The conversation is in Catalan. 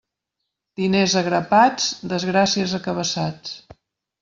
Diners a grapats, desgràcies a cabassats.